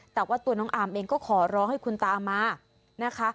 แต่ว่าตัวน้องอาร์มเองก็ขอร้องให้คุณตามานะคะ